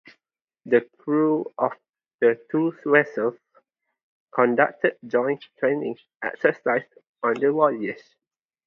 The crews of the two vessels conducted joint training exercises on the voyage.